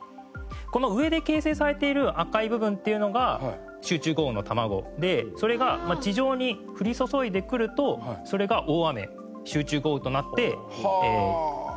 この上で形成されている赤い部分っていうのが集中豪雨のたまごでそれが地上に降り注いでくるとそれが大雨集中豪雨となって降り注いでしまうと。